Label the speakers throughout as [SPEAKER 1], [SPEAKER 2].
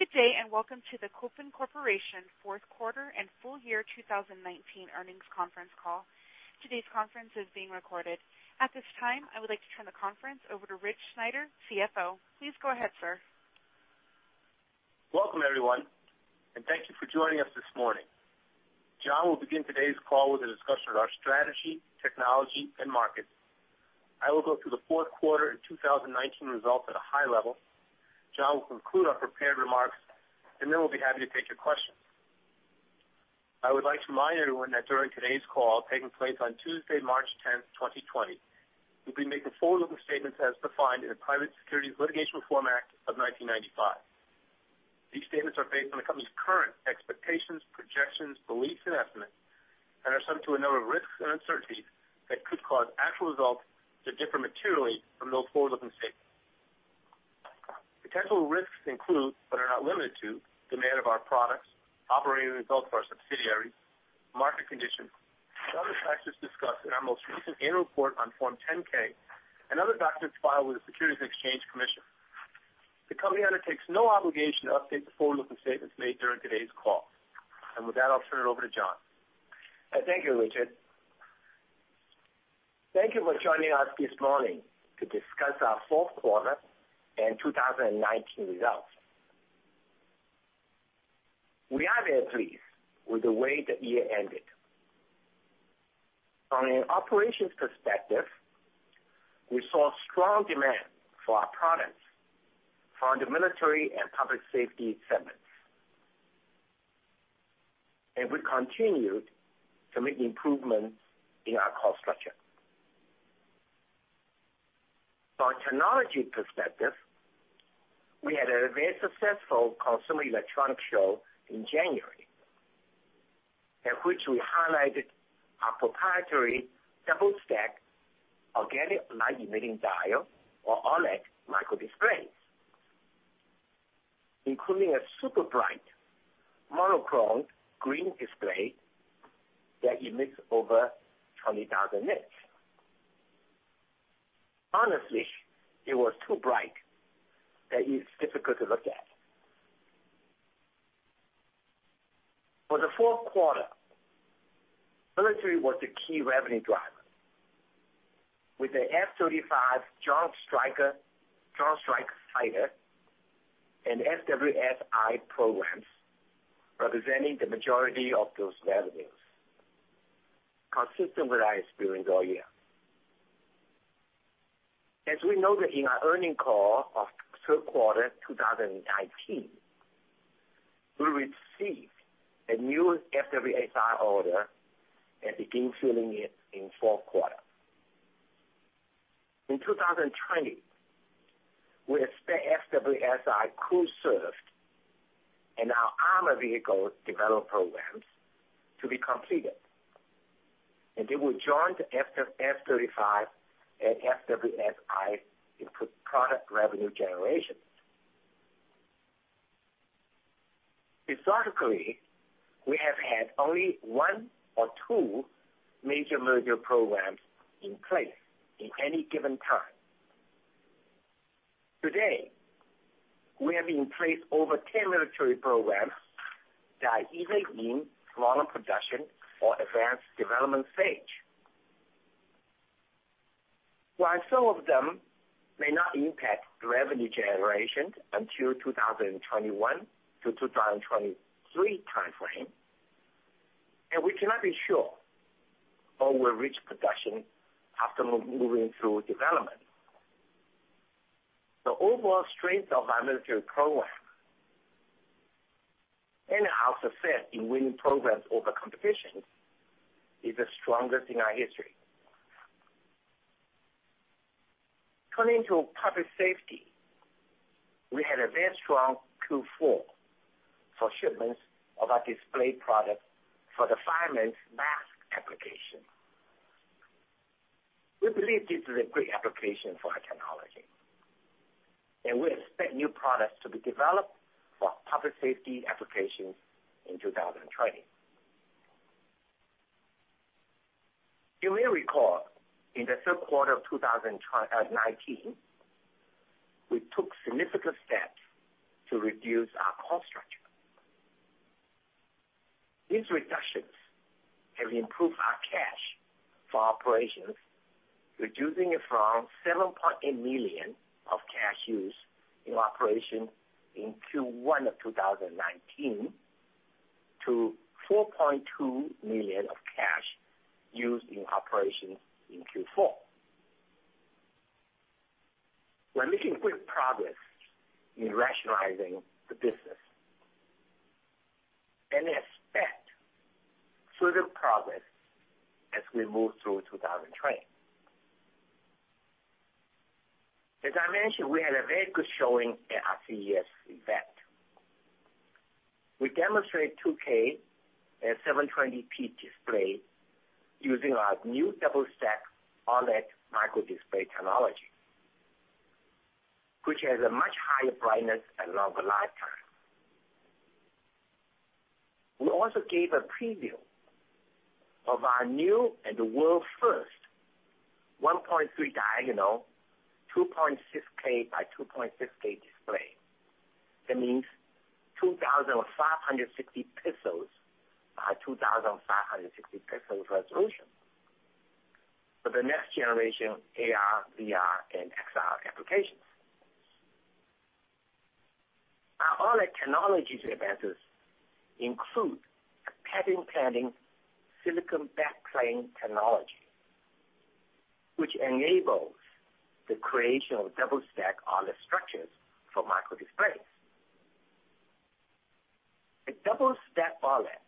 [SPEAKER 1] Good day, and welcome to the Kopin Corporation Fourth Quarter and Full Year 2019 Earnings Conference Call. Today's conference is being recorded. At this time, I would like to turn the conference over to Rich Sneider, CFO. Please go ahead, sir.
[SPEAKER 2] Welcome, everyone, and thank you for joining us this morning. John will begin today's call with a discussion of our strategy, technology, and markets. I will go through the fourth quarter and 2019 results at a high level. John will conclude our prepared remarks, and then we'll be happy to take your questions. I would like to remind everyone that during today's call, taking place on Tuesday, March 10th, 2020, we'll be making forward-looking statements as defined in the Private Securities Litigation Reform Act of 1995. These statements are based on the company's current expectations, projections, beliefs, and estimates and are subject to a number of risks and uncertainties that could cause actual results to differ materially from those forward-looking statements. Potential risks include, but are not limited to, demand of our products, operating results of our subsidiaries, market conditions, and other factors discussed in our most recent annual report on Form 10-K and other documents filed with the Securities and Exchange Commission. The company undertakes no obligation to update the forward-looking statements made during today's call. With that, I'll turn it over to John.
[SPEAKER 3] Thank you, Rich. Thank you for joining us this morning to discuss our fourth quarter and 2019 results. We are very pleased with the way the year ended. From an operations perspective, we saw strong demand for our products from the military and public safety segments. We continued to make improvements in our cost structure. From a technology perspective, we had a very successful Consumer Electronics Show in January, at which we highlighted our proprietary double-stack organic light-emitting diode, or OLED microdisplays, including a super-bright monochrome green display that emits over 20,000 nits. Honestly, it was too bright that it's difficult to look at. For the fourth quarter, military was the key revenue driver with the F-35 Joint Strike Fighter and FWS-I programs representing the majority of those revenues, consistent with our experience all year. As we noted in our earnings call of third quarter 2019, we received a new FWS-I order and begin filling it in fourth quarter. In 2020, we expect FWS-I Crew Served and our armored vehicle development programs to be completed. They will join the F-35 and FWS-I in product revenue generation. Historically, we have had only one or two major military programs in place in any given time. Today, we have in place over 10 military programs that are either in volume production or advanced development stage. While some of them may not impact revenue generation until 2021-2023 timeframe, and we cannot be sure all will reach production after moving through development, the overall strength of our military programs and our success in winning programs over competition is the strongest in our history. Turning to public safety, we had a very strong Q4 for shipments of our display products for the fireman's mask application. We believe this is a great application for our technology, and we expect new products to be developed for public safety applications in 2020. You may recall in the third quarter of 2019, we took significant steps to reduce our cost structure. These reductions have improved our cash for operations, reducing it from $7.8 million of cash used in operations in Q1 of 2019 to $4.2 million of cash used in operations in Q4. We're making good progress in rationalizing the business and expect further progress as we move through 2020. As I mentioned, we had a very good showing at our CES event. We demonstrated 2K and 720p displays using our new double-stack OLED microdisplay technology, which has a much higher brightness and longer lifetime. We also gave a preview of our new, and world first, 1.3 diagonal, 2.6K x 2.6K display. That means 2,560 pixels x 2,560 pixels resolution for the next generation AR, VR, and XR applications. Our OLED technologies advances include a patent-pending silicon backplane technology, which enables the creation of double-stack OLED structures for microdisplays. A double-stack OLED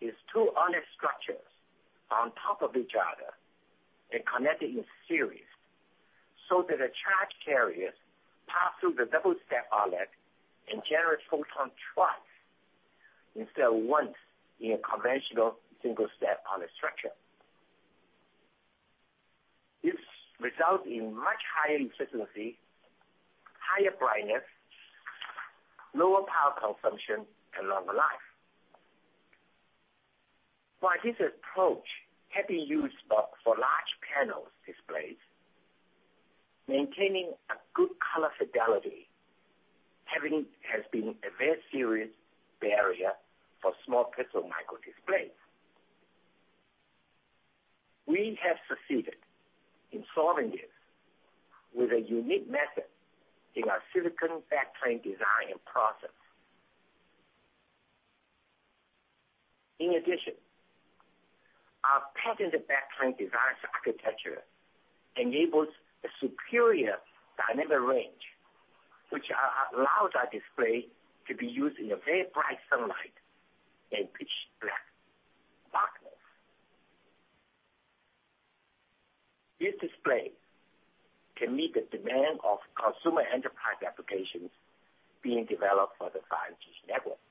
[SPEAKER 3] is two OLED structures on top of each other and connected in series, so that the charge carriers pass through the double-stack OLED and generate photon twice instead of once in a conventional single-step OLED structure. This results in much higher efficiency, higher brightness, lower power consumption, and longer life. While this approach have been used for large panel displays, maintaining a good color fidelity has been a very serious barrier for small pixel microdisplays. We have succeeded in solving this with a unique method in our silicon backplane design and process. In addition, our patented backplane device architecture enables a superior dynamic range, which allows our display to be used in a very bright sunlight and pitch black darkness. This display can meet the demand of consumer enterprise applications being developed for the 5G networks.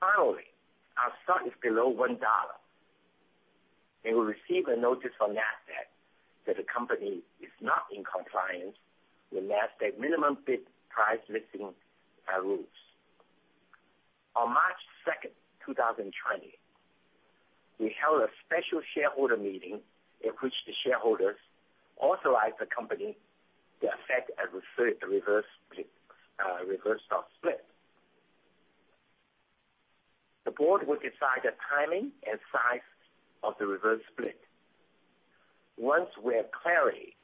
[SPEAKER 3] Finally, our stock is below $1, and we received a notice from NASDAQ that the company is not in compliance with NASDAQ minimum bid price listing, rules. On March 2nd, 2020, we held a special shareholder meeting in which the shareholders authorized the company to effect a reverse stock split. The board will decide the timing and size of the reverse split once we have clarity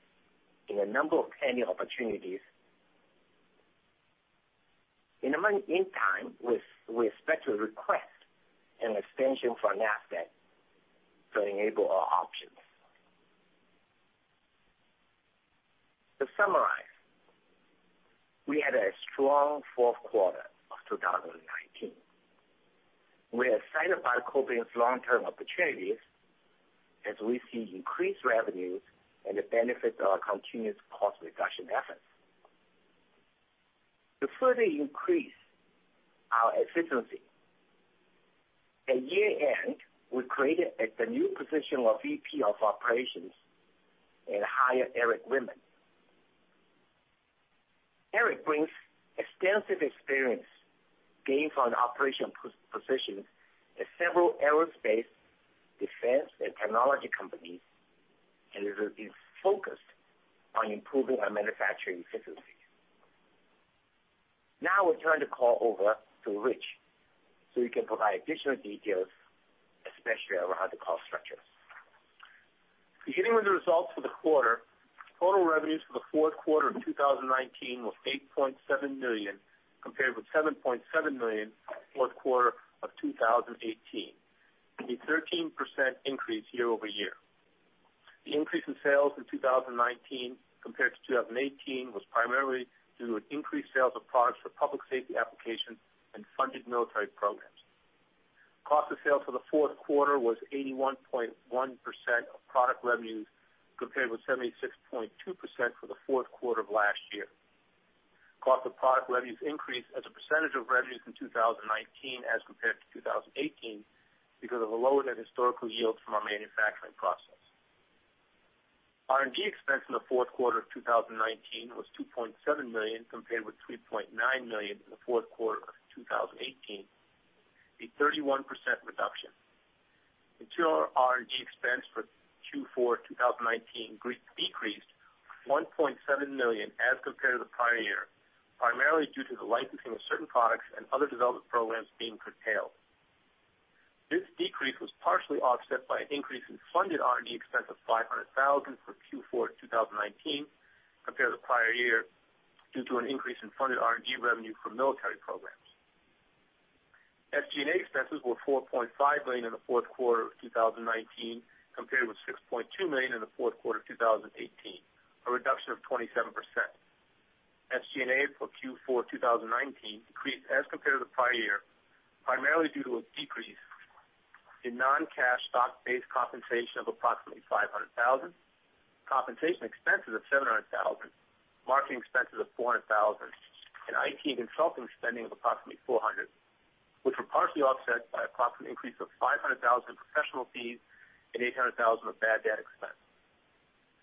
[SPEAKER 3] in a number of pending opportunities. In the meantime, we expect to request an extension from NASDAQ to enable our options. To summarize, we had a strong fourth quarter of 2019. We are excited about Kopin's long-term opportunities as we see increased revenues and the benefits of our continuous cost reduction efforts. To further increase our efficiency, at year-end, we created the new position of VP of Operations and hired Eric Whitman. Eric brings extensive experience gained on operation positions at several aerospace, defense, and technology companies, and is focused on improving our manufacturing efficiency. Now, we turn the call over to Rich, so he can provide additional details, especially around the cost structure.
[SPEAKER 2] Beginning with the results for the quarter, total revenues for the fourth quarter of 2019 was $8.7 million, compared with $7.7 million fourth quarter of 2018, a 13% increase year-over-year. The increase in sales in 2019 compared to 2018 was primarily due to increased sales of products for public safety applications and funded military programs. Cost of sales for the fourth quarter was 81.1% of product revenues, compared with 76.2% for the fourth quarter of last year. Cost of product revenues increased as a percentage of revenues in 2019 as compared to 2018 because of a lower than historical yield from our manufacturing process. R&D expense in the fourth quarter of 2019 was $2.7 million, compared with $3.9 million in the fourth quarter of 2018, a 31% reduction. Material R&D expense for Q4 2019 decreased $1.7 million as compared to the prior year, primarily due to the licensing of certain products and other development programs being curtailed. This decrease was partially offset by an increase in funded R&D expense of $500,000 for Q4 2019 compared to the prior year, due to an increase in funded R&D revenue from military programs. SG&A expenses were $4.5 million in the fourth quarter of 2019, compared with $6.2 million in the fourth quarter of 2018, a reduction of 27%. SG&A for Q4 2019 decreased as compared to the prior year, primarily due to a decrease in non-cash stock-based compensation of approximately $500,000, compensation expenses of $700,000, marketing expenses of $400,000, and IT and consulting spending of approximately $400,000, which were partially offset by approximate increase of $500,000 in professional fees and $800,000 of bad debt expense.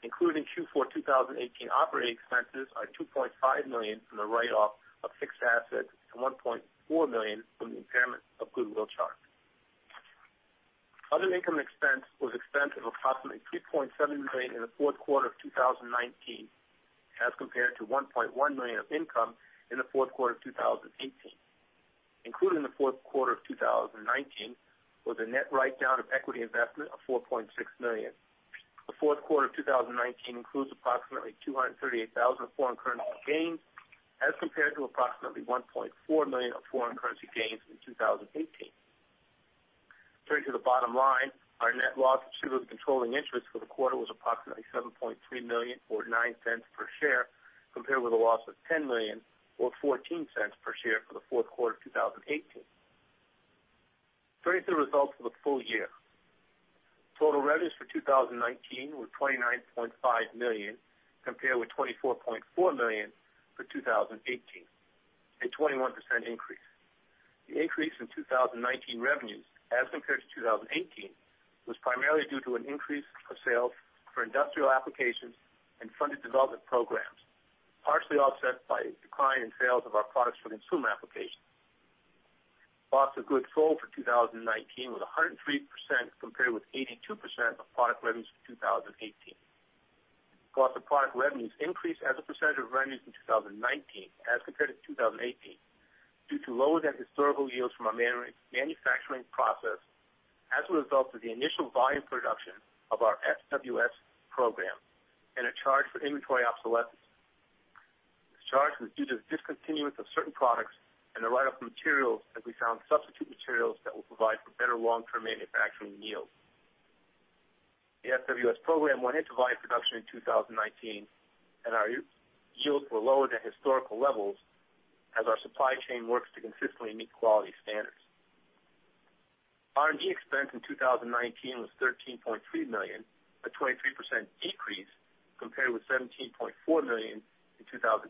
[SPEAKER 2] Including Q4 2018 operating expenses are $2.5 million from the write-off of fixed assets and $1.4 million from the impairment of goodwill charge. Other income expense was expense of approximately $3.7 million in the fourth quarter of 2019 as compared to $1.1 million of income in the fourth quarter of 2018. Included in the fourth quarter of 2019 was a net write-down of equity investment of $4.6 million. The fourth quarter of 2019 includes approximately $238,000 of foreign currency gains as compared to approximately $1.4 million of foreign currency gains in 2018. Turning to the bottom line, our net loss attributable to controlling interest for the quarter was approximately $7.3 million, or $0.09 per share, compared with a loss of $10 million or $0.14 per share for the fourth quarter of 2018. Turning to the results for the full year. Total revenues for 2019 were $29.5 million, compared with $24.4 million for 2018, a 21% increase. The increase in 2019 revenues as compared to 2018 was primarily due to an increase of sales for industrial applications and funded development programs, partially offset by a decline in sales of our products for consumer applications. Cost of goods sold for 2019 was 103% compared with 82% of product revenues for 2018. Cost of product revenues increased as a percentage of revenues in 2019 as compared to 2018 due to lower than historical yields from our manufacturing process as a result of the initial volume production of our FWS program and a charge for inventory obsolescence. This charge was due to the discontinuance of certain products and the write-off of materials as we found substitute materials that will provide for better long-term manufacturing yields. The FWS program went into volume production in 2019, our yields were lower than historical levels as our supply chain works to consistently meet quality standards. R&D expense in 2019 was $13.3 million, a 23% decrease compared with $17.4 million in 2018.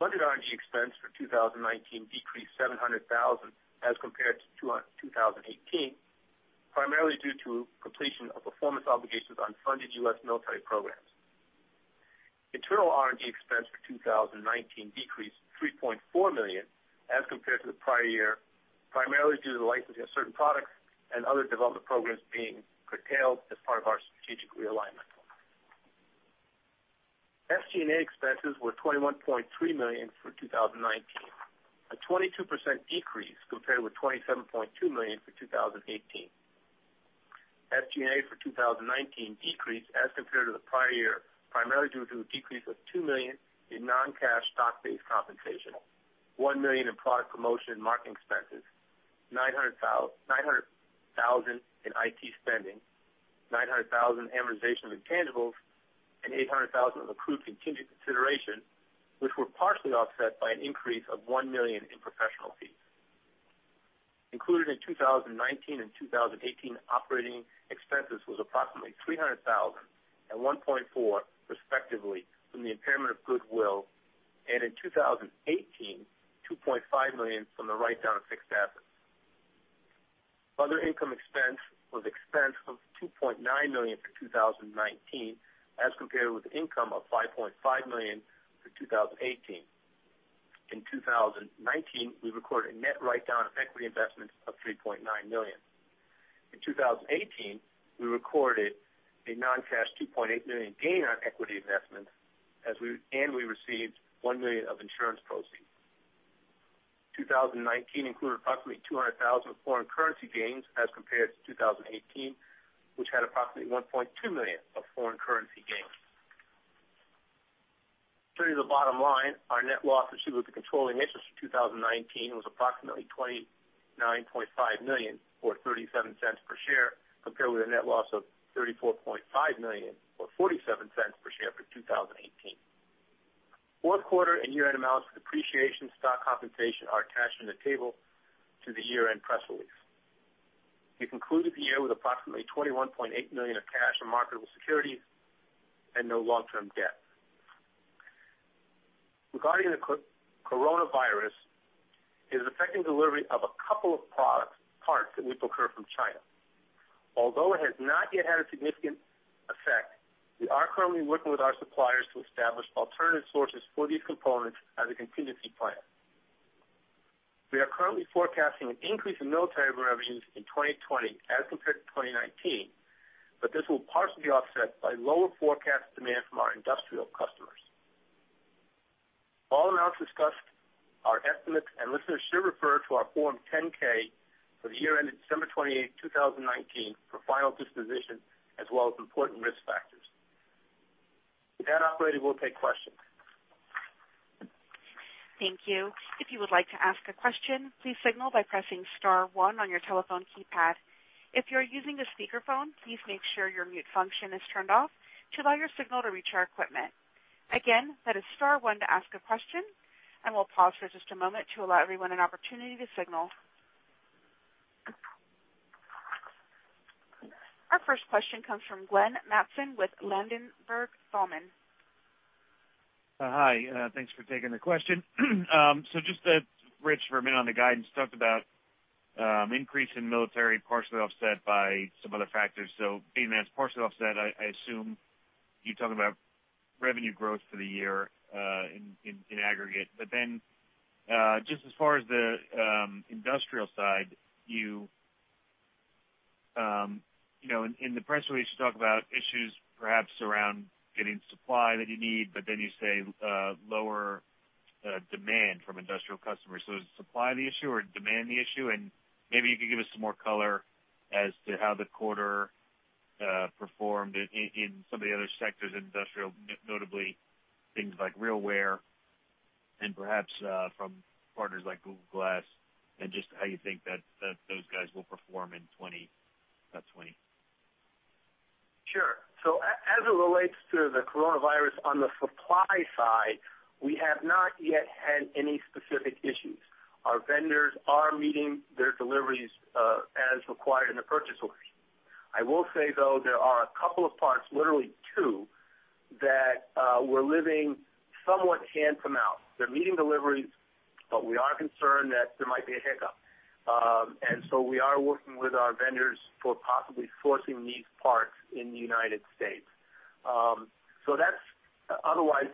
[SPEAKER 2] Funded R&D expense for 2019 decreased $700,000 as compared to 2018, primarily due to completion of performance obligations on funded U.S. military programs. Internal R&D expense for 2019 decreased $3.4 million as compared to the prior year, primarily due to the licensing of certain products and other development programs being curtailed as part of our strategic realignment. SG&A expenses were $21.3 million for 2019, a 22% decrease compared with $27.2 million for 2018. SG&A for 2019 decreased as compared to the prior year, primarily due to a decrease of $2 million in non-cash stock-based compensation, $1 million in product promotion and marketing expenses, $900,000 in IT spending, $900,000 amortization of intangibles, and $800,000 of accrued continued consideration, which were partially offset by an increase of $1 million in professional fees. Included in 2019 and 2018 operating expenses was approximately $300,000 and $1.4 million respectively from the impairment of goodwill, and in 2018, $2.5 million from the write-down of fixed assets. Other income expense was expense of $2.9 million for 2019 as compared with income of $5.5 million for 2018. In 2019, we recorded a net write-down of equity investments of $3.9 million. In 2018, we recorded a non-cash $2.8 million gain on equity investment, and we received $1 million of insurance proceeds. 2019 included approximately $200,000 of foreign currency gains as compared to 2018, which had approximately $1.2 million of foreign currency gains. Turning to the bottom line, our net loss attributable to controlling interest for 2019 was approximately $29.5 million, or $0.37 per share, compared with a net loss of $34.5 million or $0.47 per share for 2018. Fourth quarter and year-end amounts for depreciation and stock compensation are attached in the table to the year-end press release. We concluded the year with approximately $21.8 million of cash and marketable securities and no long-term debt. Regarding the coronavirus, it is affecting delivery of a couple of product parts that we procure from China. Although it has not yet had a significant effect, we are currently working with our suppliers to establish alternative sources for these components as a contingency plan. We are currently forecasting an increase in military revenues in 2020 as compared to 2019, but this will partially be offset by lower forecast demand from our industrial customers. All amounts discussed are estimates, and listeners should refer to our Form 10-K for the year ended December 28, 2019, for final disposition as well as important risk factors. With that, operator, we'll take questions.
[SPEAKER 1] Thank you. If you would like to ask a question, please signal by pressing star one on your telephone keypad. If you're using a speakerphone, please make sure your mute function is turned off to allow your signal to reach our equipment. Again, that is star one to ask a question, and we'll pause for just a moment to allow everyone an opportunity to signal. Our first question comes from Glenn Mattson with Ladenburg Thalmann.
[SPEAKER 4] Hi. Thanks for taking the question. Just to, Rich, for a minute on the guidance, talked about increase in military partially offset by some other factors. Being that it's partially offset, I assume you're talking about revenue growth for the year in aggregate. Just as far as the industrial side, in the press release, you talk about issues perhaps around getting supply that you need, but then you say lower demand from industrial customers. Is supply the issue or demand the issue? Maybe you could give us some more color as to how the quarter performed in some of the other sectors, industrial, notably things like RealWear and perhaps from partners like Google Glass, and just how you think that those guys will perform in 2020.
[SPEAKER 2] Sure. As it relates to the coronavirus on the supply side, we have not yet had any specific issues. Our vendors are meeting their deliveries as required in the purchase order. I will say, though, there are a couple of parts, literally two, that we're living somewhat hands-on out. They're meeting deliveries, we are concerned that there might be a hiccup. We are working with our vendors for possibly sourcing these parts in the United States. Otherwise,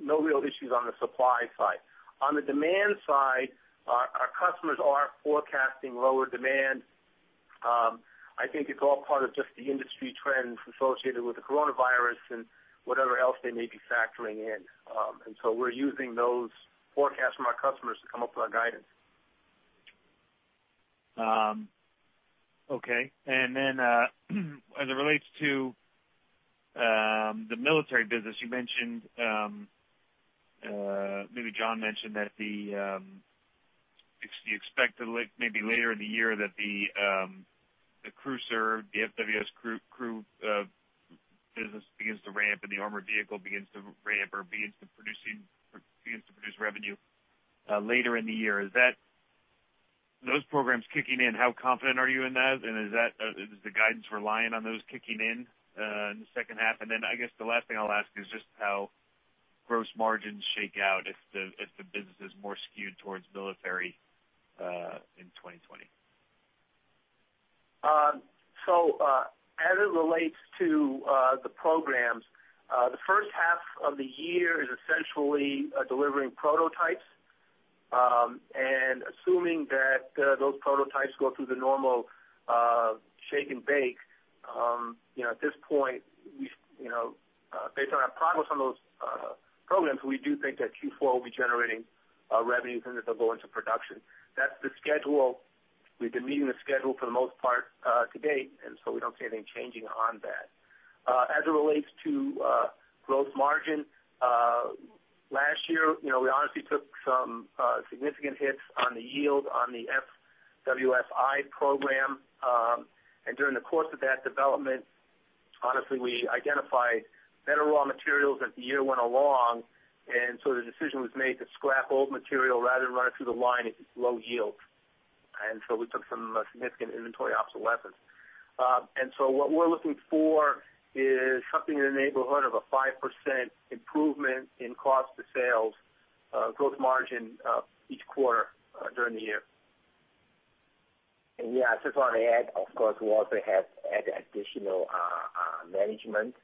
[SPEAKER 2] no real issues on the supply side. On the demand side, our customers are forecasting lower demand. I think it's all part of just the industry trends associated with the coronavirus and whatever else they may be factoring in. We're using those forecasts from our customers to come up with our guidance.
[SPEAKER 4] Okay. As it relates to the military business, maybe John mentioned that you expect maybe later in the year that the Crew Served, the FWS Crew business begins to ramp and the armored vehicle begins to ramp or begins to produce revenue later in the year. Those programs kicking in, how confident are you in that? Is the guidance relying on those kicking in the second half? I guess the last thing I'll ask is just how gross margins shake out if the business is more skewed towards military in 2020.
[SPEAKER 2] As it relates to the programs, the first half of the year is essentially delivering prototypes. Assuming that those prototypes go through the normal shake and bake, at this point, based on our progress on those programs, we do think that Q4 will be generating revenues and that they'll go into production. That's the schedule. We've been meeting the schedule for the most part to date, we don't see anything changing on that. As it relates to gross margin, last year, we honestly took some significant hits on the yield on the FWS-I program. During the course of that development, honestly, we identified better raw materials as the year went along, the decision was made to scrap old material rather than run it through the line at low yield. We took some significant inventory obsolescence. What we're looking for is something in the neighborhood of a 5% improvement in cost to sales, gross margin, each quarter during the year.
[SPEAKER 3] Yeah, I just want to add, of course, we also have added additional management.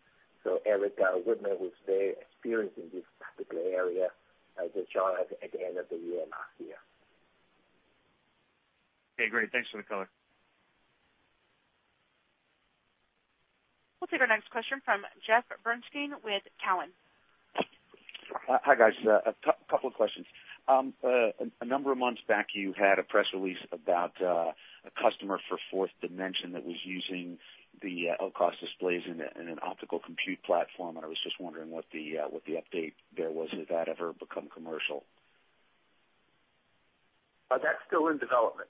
[SPEAKER 3] Eric Whitman, who's very experienced in this particular area, just joined us at the end of the year last year.
[SPEAKER 4] Okay, great. Thanks for the color.
[SPEAKER 1] We'll take our next question from Jeff Bernstein with Cowen.
[SPEAKER 5] Hi, guys. A couple of questions. A number of months back, you had a press release about a customer for Forth Dimension that was using the LCOS displays in an optical compute platform, and I was just wondering what the update there was. Has that ever become commercial?
[SPEAKER 2] That's still in development.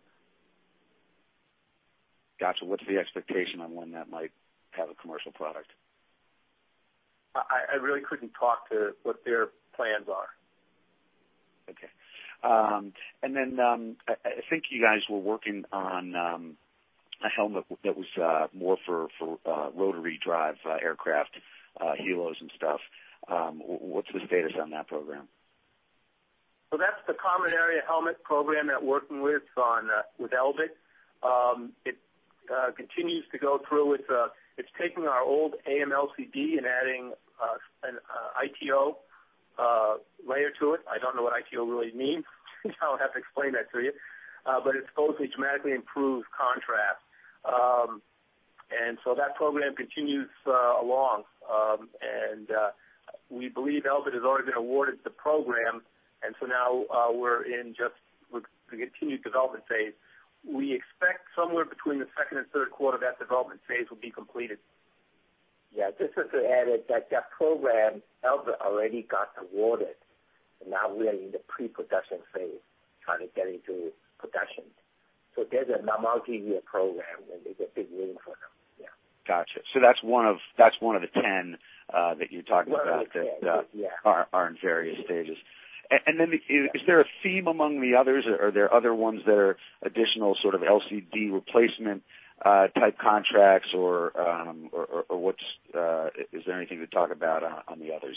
[SPEAKER 5] Got you. What's the expectation on when that might have a commercial product?
[SPEAKER 2] I really couldn't talk to what their plans are.
[SPEAKER 5] Okay. I think you guys were working on a helmet that was more for rotary drive aircraft helos and stuff. What's the status on that program?
[SPEAKER 2] That's the Common Area Helmet program that working with Elbit. It continues to go through. It's taking our old AMLCD and adding an ITO layer to it. I don't know what ITO really means. I'll have to explain that to you. It supposedly dramatically improves contrast. That program continues along. We believe Elbit has already been awarded the program, now we're in just the continued development phase. We expect somewhere between the second and third quarter that development phase will be completed.
[SPEAKER 3] Yeah, just to add that that program, Elbit already got awarded. Now we are in the pre-production phase, trying to get into production. That's a multi-year program, and there's a big win for them. Yeah.
[SPEAKER 5] Got you. That's one of the 10 that you talked about.
[SPEAKER 3] One of the 10, yeah.
[SPEAKER 5] that are in various stages. Is there a theme among the others? Are there other ones that are additional sort of LCD replacement type contracts or is there anything to talk about on the others?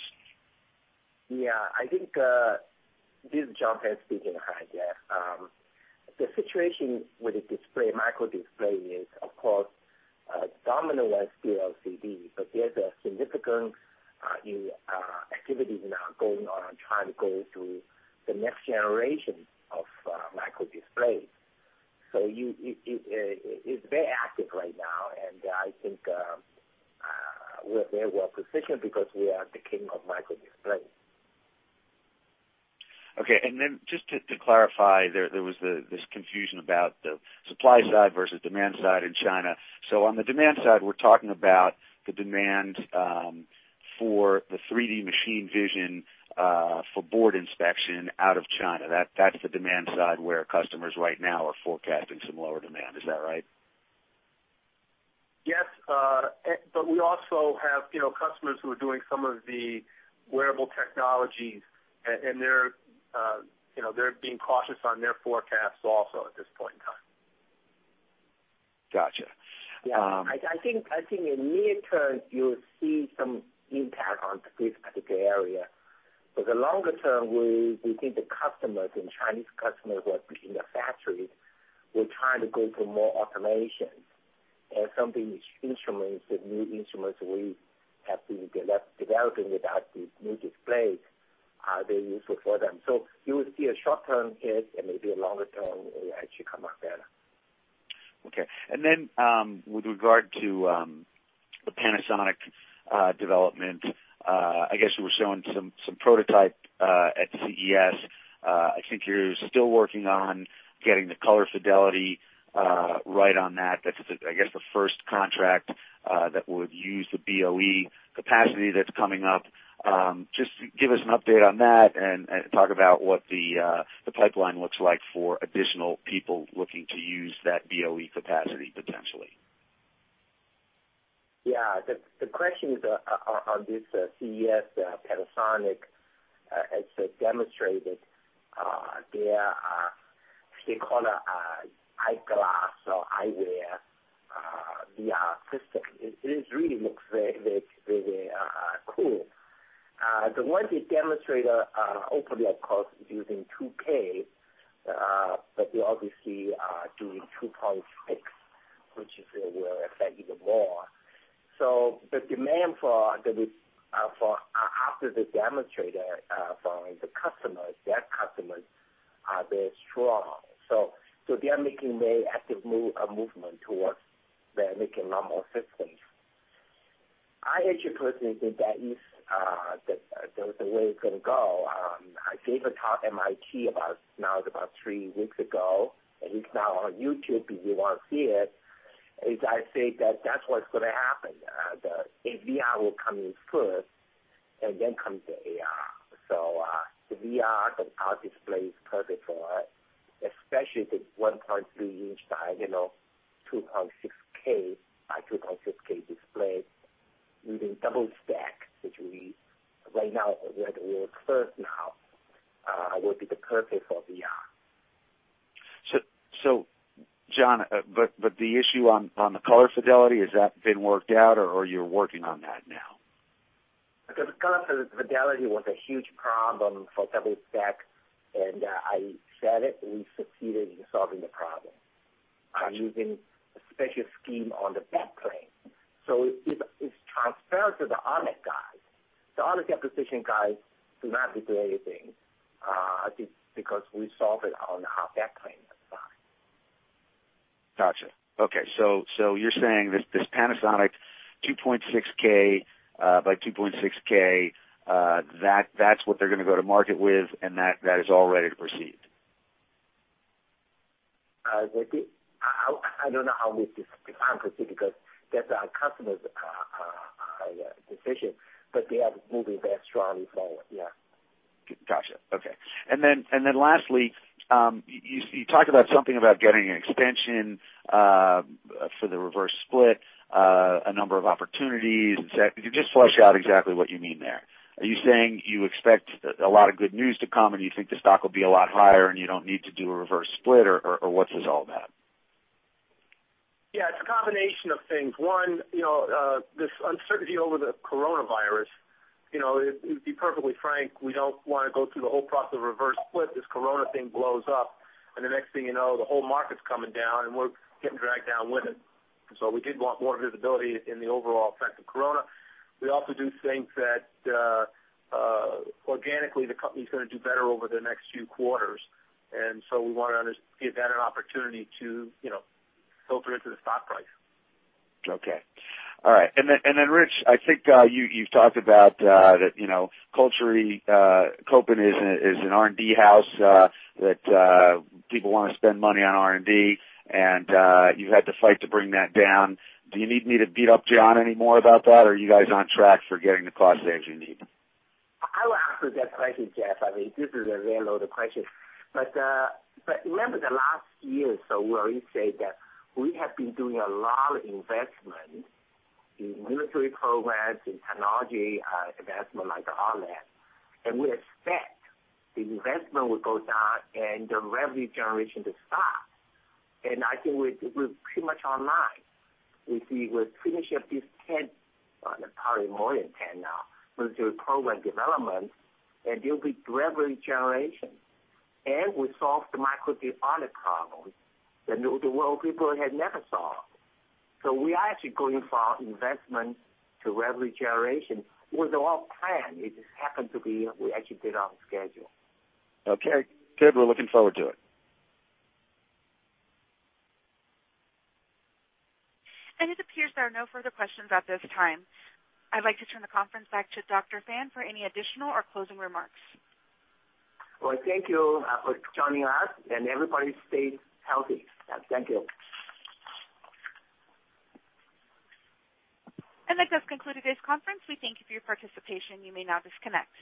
[SPEAKER 3] This is John Fan speaking. Hi, Jeff. The situation with the microdisplay is, of course, dominant was the LCD, but there's a significant new activity now going on trying to go to the next generation of microdisplays. It's very active right now, and I think we're very well-positioned because we are the king of microdisplays.
[SPEAKER 5] Okay. Just to clarify, there was this confusion about the supply side versus demand side in China. On the demand side, we're talking about the demand for the 3D machine vision for board inspection out of China. That's the demand side where customers right now are forecasting some lower demand. Is that right?
[SPEAKER 2] Yes. We also have customers who are doing some of the wearable technologies, and they're being cautious on their forecasts also at this point in time.
[SPEAKER 5] Got you.
[SPEAKER 3] Yeah. I think in near term, you'll see some impact on this particular area. For the longer term, we think the customers and Chinese customers who are in the factories will try to go for more automation and some of these new instruments we have been developing with these new displays, they're useful for them. You will see a short-term hit and maybe in longer term, it will actually come out better.
[SPEAKER 5] Okay. With regard to the Panasonic development, I guess you were showing some prototype at CES. I think you're still working on getting the color fidelity right on that. That is, I guess, the first contract that would use the BOE capacity that's coming up. Just give us an update on that and talk about what the pipeline looks like for additional people looking to use that BOE capacity potentially.
[SPEAKER 3] Yeah. The question on this CES, Panasonic has demonstrated their, they call it, eyeglass or eyewear, VR system. It really looks very cool. The one they demonstrated openly, of course, is using 2K. We obviously are doing 2.6, which is, will affect even more. The demand after the demonstrator from the customers, their customers, are very strong. They are making very active movement towards making a lot more systems. I actually personally think that is the way it's going to go. I gave a talk at MIT about three weeks ago, and it's now on YouTube if you want to see it, is I said that's what's going to happen. The VR will come in first, and then comes the AR. The VR, our display is perfect for it, especially the 1.3 inch diagonal, 2.6K x 2.6K display using double-stack, which we are at work first now, will be the perfect for VR.
[SPEAKER 5] John, the issue on the color fidelity, has that been worked out, or you're working on that now?
[SPEAKER 3] The color fidelity was a huge problem for double-stack, and I said it, we succeeded in solving the problem by using a special scheme on the backplane. It's transparent to the OLED guys. The OLED deposition guys do not need to do anything, I think because we solved it on our backplane design.
[SPEAKER 5] Got you. Okay. You're saying this Panasonic 2.6K x 2.6K, that's what they're going to go to market with, and that is all ready to proceed?
[SPEAKER 3] I don't know how we define proceed because that's our customer's decision, but they are moving very strongly forward. Yeah.
[SPEAKER 5] Got you. Okay. Lastly, you talked about something about getting an extension for the reverse split, a number of opportunities, et cetera. Could you just flesh out exactly what you mean there? Are you saying you expect a lot of good news to come, and you think the stock will be a lot higher, and you don't need to do a reverse split, or what's this all about?
[SPEAKER 2] Yeah. It's a combination of things. One, this uncertainty over the coronavirus. To be perfectly frank, we don't want to go through the whole process of reverse split if this corona thing blows up, and the next thing you know, the whole market's coming down, and we're getting dragged down with it. We did want more visibility in the overall effect of corona. We also do think that organically, the company's going to do better over the next few quarters, we want to give that an opportunity to filter into the stock price.
[SPEAKER 5] Okay. All right. Rich, I think you've talked about that Kolibri is an R&D house, that people want to spend money on R&D, and you've had to fight to bring that down. Do you need me to beat up John any more about that, or are you guys on track for getting the cost saves you need?
[SPEAKER 3] I will answer that question, Jeff. I mean, this is a very loaded question. Remember the last year or so where we said that we have been doing a lot of investment in military programs, in technology investment, like all that, and we expect the investment will go down and the revenue generation to start. I think we're pretty much online. We finish up these 10, probably more than 10 now, military program development, and there will be revenue generation. We solved the micro display OLED problems that the world people had never solved. We are actually going from investment to revenue generation with our plan. It just happened to be we actually did it on schedule.
[SPEAKER 5] Okay, good. We're looking forward to it.
[SPEAKER 1] It appears there are no further questions at this time. I'd like to turn the conference back to Dr. Fan for any additional or closing remarks.
[SPEAKER 3] Well, thank you for joining us, and everybody stay healthy. Thank you.
[SPEAKER 1] That does conclude today's conference. We thank you for your participation. You may now disconnect.